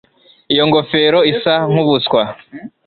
Iyo ngofero isa nkubuswa.